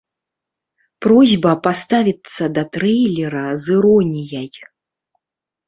Просьба паставіцца да трэйлера з іроніяй.